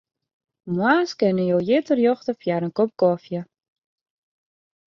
Moarns kinne jo hjir terjochte foar in kop kofje.